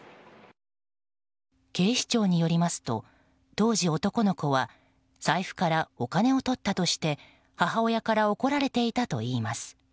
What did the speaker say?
警視庁によりますと当時、男の子は財布からお金をとったとして母親から怒られていたといいます。